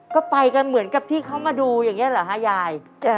ก็ไปกันเหมือนกับที่เขามาดูอย่างนี้เหรอฮะยาย